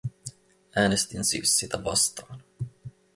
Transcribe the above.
Äänestin siis sitä vastaan.